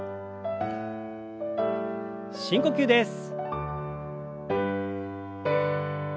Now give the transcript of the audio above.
深呼吸です。